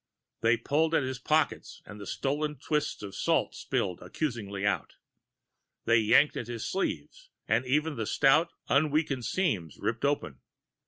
They pulled at his pockets and the stolen twists of salt spilled accusingly out. They yanked at his sleeves and even the stout, unweakened seams ripped open.